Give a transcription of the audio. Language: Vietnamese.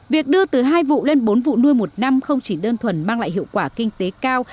việc đưa từ hai vụ lên bốn vụ nuôi một năm không chỉ đơn thuần mang lại hiệu quả kinh tế cao